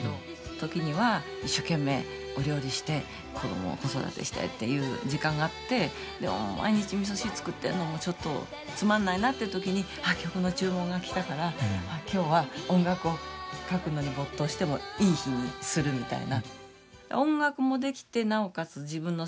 時には一生懸命お料理して子どもを子育てしてっていう時間があってでも毎日みそ汁作ってるのもちょっとつまんないなって時にあ曲の注文がきたから今日は音楽を書くのに没頭してもいい日にするみたいな。